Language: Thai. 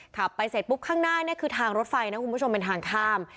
ขับไปเสร็จปุ๊บข้างหน้าเนี่ยคือทางรถไฟนะคุณผู้ชมเป็นทางข้าม